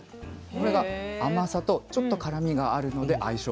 これが甘さとちょっと辛みがあるので相性が抜群。